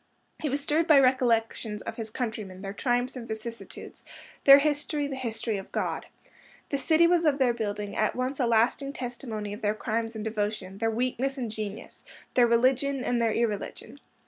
He was stirred by recollections of his countrymen, their triumphs and vicissitudes, their history the history of God. The city was of their building, at once a lasting testimony of their crimes and devotion, their weakness and genius, their religion and their irreligion.